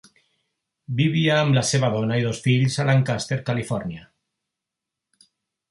Vivia amb la seva dona i dos fills a Lancaster, Califòrnia.